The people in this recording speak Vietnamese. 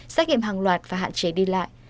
xét nghiệm hàng loạt và hạn chế đi lại